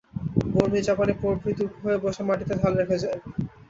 বর্মি, জাপানী প্রভৃতি উপু হয়ে বসে মাটিতে থাল রেখে খায়।